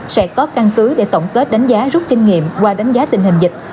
sẽ có căn cứ để tổng kết đánh giá rút kinh nghiệm qua đánh giá tình hình dịch